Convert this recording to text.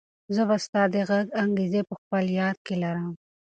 زه به ستا د غږ انګازې په خپل یاد کې لرم.